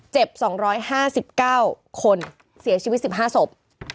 เจ็บสองร้อยห้าสิบเก้าคนเสียชีวิตสิบห้าศพ